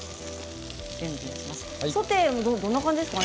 ソテーはどんな感じですか？